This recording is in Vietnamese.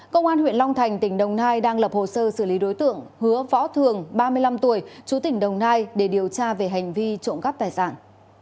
công an huyện long thành tỉnh đồng nai đang lập hồ sơ xử lý đối tượng hứa võ thường ba mươi năm tuổi chú tỉnh đồng nai để điều tra về hành vi trộm cắp tài sản